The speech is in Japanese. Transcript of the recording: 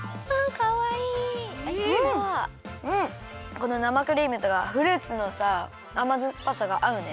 この生クリームとかフルーツのさあまずっぱさがあうね。